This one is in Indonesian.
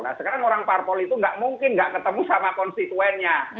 nah sekarang orang karpol itu tidak mungkin tidak ketemu sama konstituennya